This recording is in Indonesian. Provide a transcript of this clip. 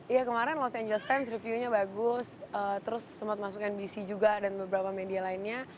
iya kemarin los angeles times review nya bagus terus sempat masuk nbc juga dan beberapa media lainnya